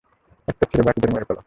একটা ছেড়ে বাকিদের মেরে ফেল।